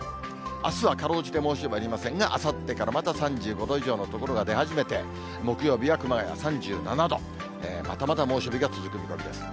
あすはかろうじて猛暑日ありませんが、あさってからまた３５度以上の所が出始めて、木曜日は、熊谷３７度、またまた猛暑日が続く見込みです。